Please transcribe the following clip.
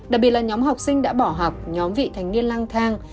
đặc biệt là nhóm học sinh đã bỏ học nhóm vị thành niên lang thang